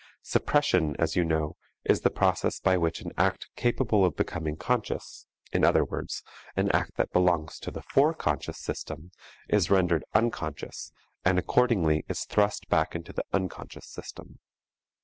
Suppression, as you know, is the process by which an act capable of becoming conscious, in other words, an act that belongs to the fore conscious system, is rendered unconscious and accordingly is thrust back into the unconscious system.